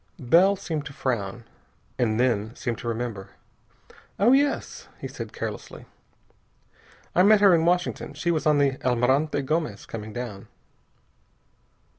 Bell seemed to frown, and then seemed to remember. "Oh, yes," he said carelessly, "I met her in Washington. She was on the Almirante Gomez, coming down."